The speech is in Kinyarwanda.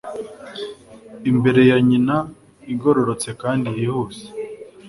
Imbere ya nyina igororotse kandi yihuse